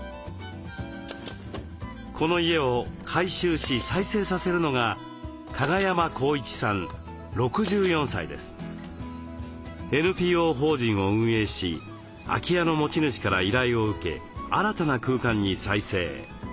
この家を改修し再生させるのがＮＰＯ法人を運営し空き家の持ち主から依頼を受け新たな空間に再生。